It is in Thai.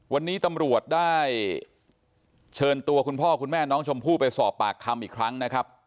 วันนี้ตำรวจได้เชิญตัวคุณพ่อคุณแม่น้องชมพู่ไปสอบปากคำอีกครั้งนะครับ